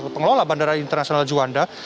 pengelola bandara internasional juanda